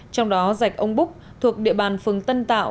trong đó rạch ông búc thuộc địa bàn phường tân tạo